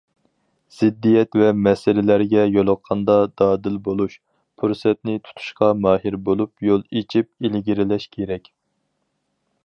زىددىيەت ۋە مەسىلىلەرگە يولۇققاندا، دادىل بولۇش، پۇرسەتنى تۇتۇشقا ماھىر بولۇپ يول ئېچىپ ئىلگىرىلەش كېرەك.